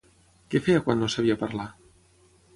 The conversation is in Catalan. Què feia quan no sabia parlar?